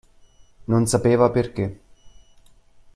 Non sapeva perché.